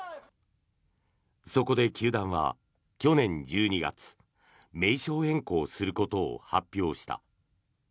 そこで球団は去年１２月名称変更することを発表した。